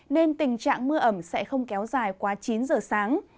nên tình trạng mưa ẩm sẽ không kéo dài quá chín giờ sáng